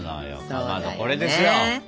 かまどこれですよ。